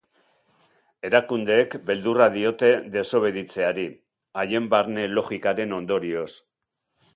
Erakundeek beldurra diote desobeditzeari, haien barne logikaren ondorioz.